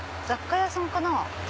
雑貨屋さんかな？